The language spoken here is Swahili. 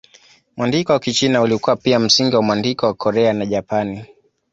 Mwandiko wa Kichina ulikuwa pia msingi wa mwandiko wa Korea na Japani.